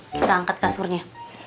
kita angkat kasurnya